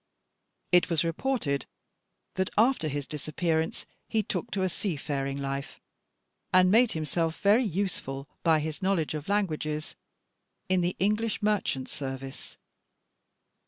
It was reported that after his disappearance he took to a sea faring life, and made himself very useful, by his knowledge of languages, in the English merchant service.